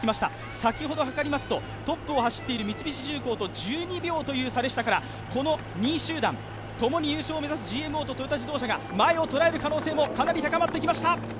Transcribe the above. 先ほどはかりますとトップを走っている三菱重工と１２秒という差ですから、２位集団ともに優勝を目指すＧＭＯとトヨタ自動車が前を捉える可能性もかなり高まってきました。